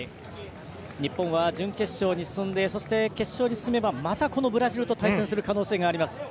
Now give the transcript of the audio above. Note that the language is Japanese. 日本は準決勝に進みそして決勝に進めばまたブラジルと対戦する可能性があります。